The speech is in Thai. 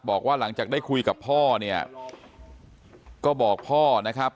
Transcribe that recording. บอกว่าหลังจากได้คุยกับพ่อเนี่ยก็บอกพ่อนะครับ